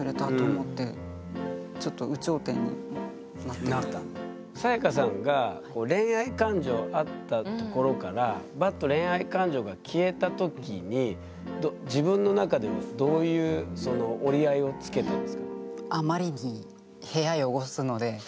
初めてこんなサヤカさんが恋愛感情あったところからバッと恋愛感情が消えた時に自分の中ではどういう折り合いをつけたんですか？